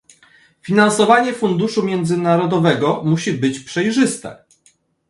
Finansowanie funduszu międzynarodowego musi być przejrzyste